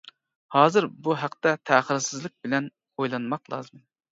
ھازىر بۇ ھەقتە تەخىرسىزلىك بىلەن ئويلانماق لازىم.